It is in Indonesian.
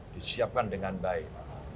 disiapkan dengan baik